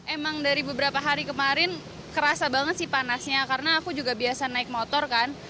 emang dari beberapa hari kemarin kerasa banget sih panasnya karena aku juga biasa naik motor kan